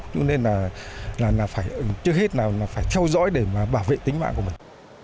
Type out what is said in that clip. cho nên là trước hết là phải theo dõi để mà bảo vệ tính mạng của mình